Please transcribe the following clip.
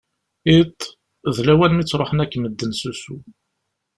Iḍ, d lawan-nni mi ttruḥen akk medden s usu.